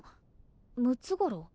ムツゴロウ？